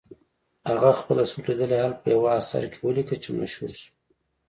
هغه خپل سترګو لیدلی حال په یوه اثر کې ولیکه چې مشهور شو.